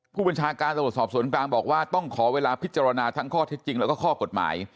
ผู้บัญชาการตำรวจสอบสวนกลางบอกว่าต้องขอเวลาพิจารณาทั้งข้อเท็จจริงแล้วก็ข้อกฎหมาย